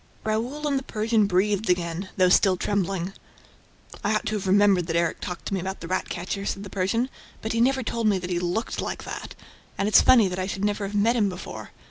Raoul and the Persian breathed again, though still trembling. "I ought to have remembered that Erik talked to me about the rat catcher," said the Persian. "But he never told me that he looked like that ... and it's funny that I should never have met him before